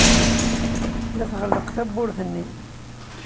La tɣelleq tewwurt-nni.